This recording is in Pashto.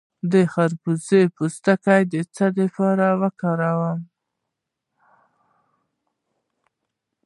د خربوزې پوستکی د څه لپاره وکاروم؟